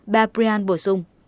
bà priyan bổ sung